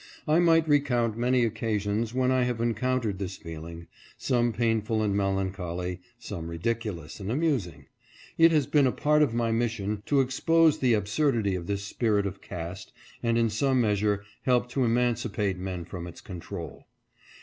I might recount many occasions when I have encoun tered this feeling, some painful and melancholy, some ridiculous and amusing. It has been a part of my mis sion to expose the absurdity of this spirit of caste and in some measure help to emancipate men from its control.